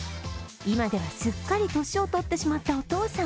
今ではすっかり年を取ってしまったお父さん。